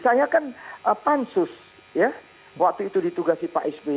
saya kan pansus ya waktu itu ditugasi pak sby